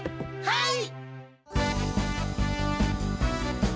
はい！